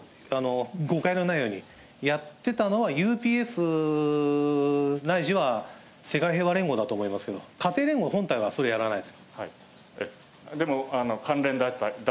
誤解のないように、やってたのはＵＰＦないしは世界平和連合だと思うんですけども、家庭連合の本体はそれやらないです。